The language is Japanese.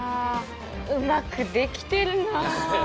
うまくできてるな。